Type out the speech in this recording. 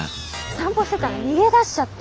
散歩してたら逃げ出しちゃって。